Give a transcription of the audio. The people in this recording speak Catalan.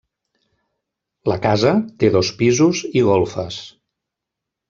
La casa té dos pisos i golfes.